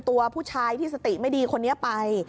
ตัวผู้ชายที่สติไม่ดีคนนี้ไป